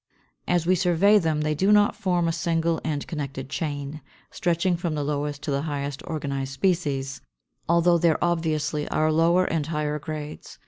As we survey them, they do not form a single and connected chain, stretching from the lowest to the highest organized species, although there obviously are lower and higher grades.